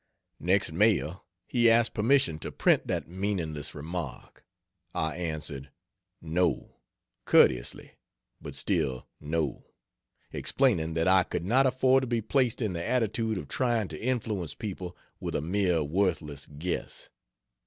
Next mail he asked permission to print that meaningless remark. I answered, no courteously, but still, no; explaining that I could not afford to be placed in the attitude of trying to influence people with a mere worthless guess.